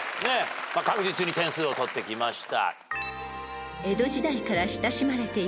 確実に点数を取ってきました。